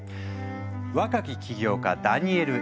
若き起業家ダニエル・エク。